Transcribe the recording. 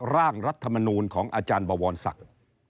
ร่างรัฐมนูลของอาจารย์บวรศักดิ์